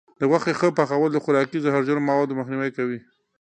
د غوښې ښه پخول د خوراکي زهرجنو موادو مخنیوی کوي.